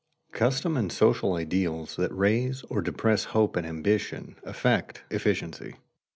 _Custom and social ideals that raise or depress hope and ambition, affect efficiency.